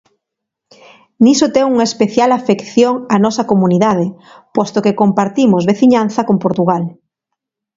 Niso ten unha especial afección a nosa comunidade posto que compartimos veciñanza con Portugal.